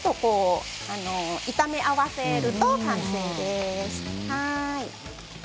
炒め合わせると完成です。